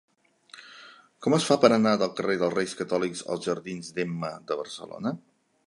Com es fa per anar del carrer dels Reis Catòlics als jardins d'Emma de Barcelona?